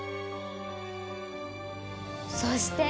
そして。